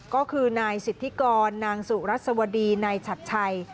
ก็คือนายสิทธิกรนางสุรัสวดีนายชัดชัย